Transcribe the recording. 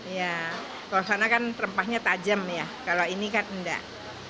kalau sana kan rempahnya tajam kalau ini kan tidak